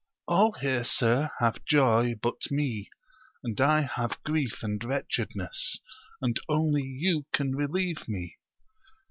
All here, sir, have joy but me, and I have grief and wretchedness, and only you can relieve me